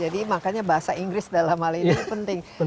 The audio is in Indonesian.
jadi makanya bahasa inggris dalam hal ini penting